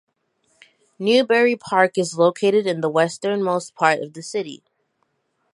Newbury Park is located in the westernmost part of the city.